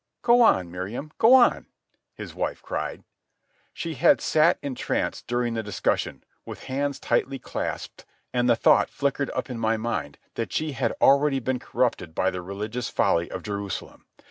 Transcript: "Go on, Miriam, go on," his wife cried. She had sat entranced during the discussion, with hands tightly clasped, and the thought flickered up in my mind that she had already been corrupted by the religious folly of Jerusalem.